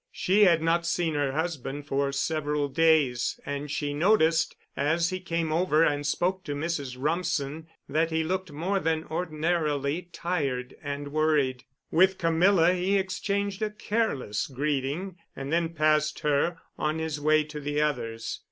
She had not seen her husband for several days, and she noticed, as he came over and spoke to Mrs. Rumsen, that he looked more than ordinarily tired and worried. With Camilla he exchanged a careless greeting and then passed her on his way to the others.